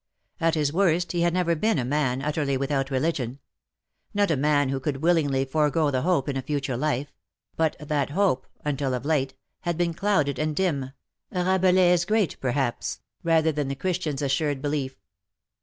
At his worst he had never been a man utterly without religion ; not a man who could will ingly forego the hope in a future life — but that hope, until of late, had been clouded and dim^ Rabelais' THAT THE DAY WILL END." 237 great perhaps, rather than the Christianas assured belief.